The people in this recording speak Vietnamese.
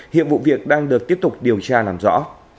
hiện vụ việc đang được tiếp tục điều tra làm rõ